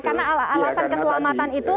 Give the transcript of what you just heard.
karena alasan keselamatan itu